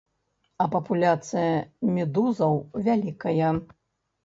А папуляцыя медузаў вялікая.